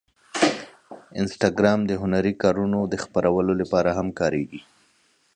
انسټاګرام د هنري کارونو د خپرولو لپاره هم کارېږي.